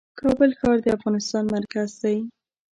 کابل ښار د افغانستان مرکز دی .